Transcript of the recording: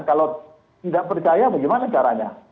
kalau tidak percaya bagaimana caranya